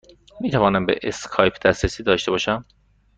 می توانم به اسکایپ دسترسی داشته باشم؟